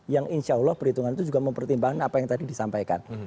yang insya allah perhitungan itu juga mempertimbangkan apa yang tadi disampaikan